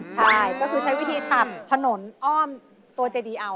ใช่ก็คือใช้วิธีตัดถนนอ้อมตัวเจดีเอา